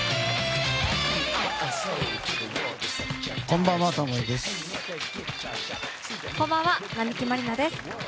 こんばんは、並木万里菜です。